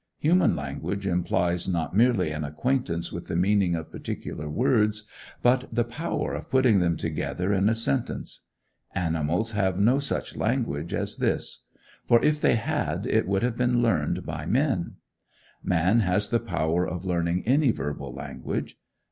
Human language implies not merely an acquaintance with the meaning of particular words, but the power of putting them together in a sentence. Animals have no such language as this; for, if they had, it would have been learned by men. Man has the power of learning any verbal language.